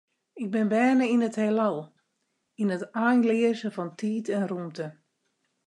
Ik bin berne yn it Hielal, yn it einleaze fan tiid en rûmte.